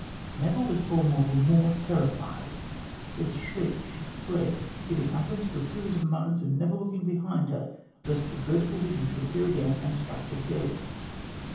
Never was poor mortal more terrified. With a shriek she fled, giving utterance to a series of moans, and never looking behind her lest the dreadful vision should appear again and strike her dead.